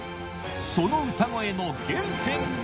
その歌声の原点が